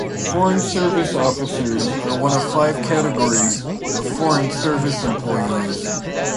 Foreign Service Officers are one of five categories of Foreign Service employees.